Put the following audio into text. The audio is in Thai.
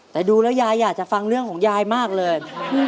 แต่ดูแล้วยายอยากจะฟังเรื่องของยายมากเลย